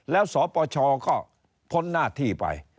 แล้วสปชก็พ้นหน้าที่ไป